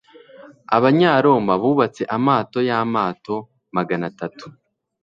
Abanyaroma bubatse amato yamato magana atatu.